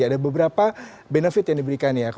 ada beberapa benefit yang diberikan ya